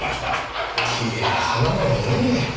きれいな花なのにねえ。